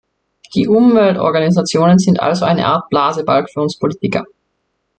Die Umweltorganisationen sind also eine Art Blasebalg für uns Politiker.